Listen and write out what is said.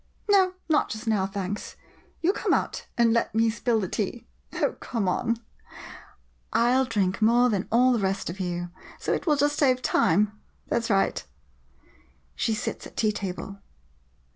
'] No, not just now, thanks. You come out and let me spill the tea. Oh, come on — I '11 drink more than all the rest of you — so it will just save time. That 's right. [She sits at tea table.